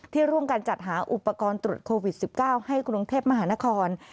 ร่วมกันจัดหาอุปกรณ์ตรวจโควิด๑๙ให้กรุงเทพมหานคร